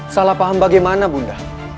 salahpaham bagaimana bunda